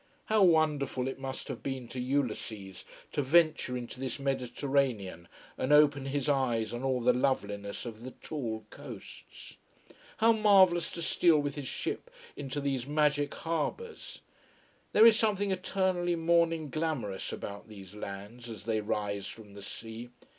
How wonderful it must have been to Ulysses to venture into this Mediterranean and open his eyes on all the loveliness of the tall coasts. How marvellous to steal with his ship into these magic harbours. There is something eternally morning glamourous about these lands as they rise from the sea.